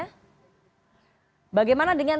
bagaimana dengan tingkat kepercayaan publik